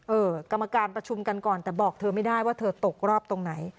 กรรมการประชุมกันก่อนแต่บอกเธอไม่ได้ว่าเธอตกรอบตรงไหน